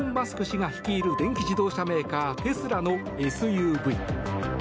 氏が率いる電気自動車メーカーテスラのＳＵＶ。